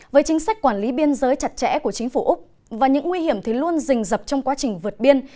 với chính sách quản lý biên giới chặt chẽ của chính phủ úc và những nguy hiểm thì luôn rình dập trong quá trình vượt biên